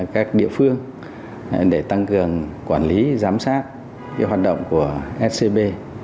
các địa phương để tăng cường quản lý giám sát hoạt động của scb